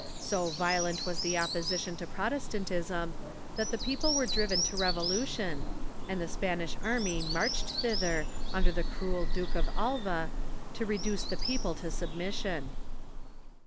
So violent was the oppo sition to Protestantism that the people Avere driven to revolu tion, and the Spanish army marched thither, under the cruel Duke of Alva, to reduce the people to submission.